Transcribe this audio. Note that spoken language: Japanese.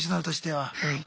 はい。